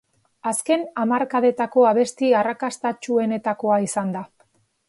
Azken hamarkadako abesti arrakastatsuenetakoa izan da.